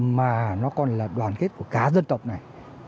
mà nó còn là đoàn kết của cả dân tộc này